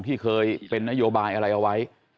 ที่เคยเป็นนโยบายอะไรเอาไว้